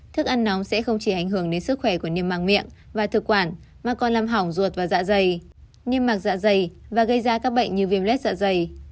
thức ăn nóng sẽ không chỉ ảnh hưởng đến sức khỏe của niềm măng miệng và thực quản mà còn làm hỏng ruột và dạ dày niêm mạc dạ dày và gây ra các bệnh như viêm lết dạ dày